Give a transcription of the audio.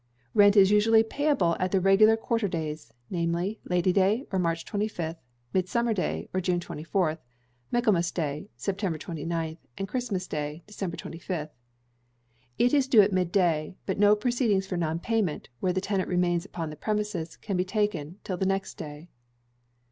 Rent is usually payable at the regular quarter days, namely, Lady day, or March 25th; Midsummer day, or June 24th; Michaelmas day, September 29th; and Christmas day, December 25th. It is due at mid day; but no proceedings for non payment, where the tenant remains upon the premises, can be taken till the next day.